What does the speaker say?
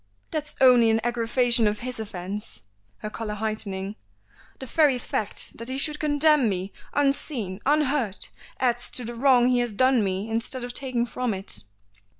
"That's only an aggravation of his offence," her color heightening; "the very fact that he should condemn me unseen, unheard, adds to the wrong he has done me instead of taking from it."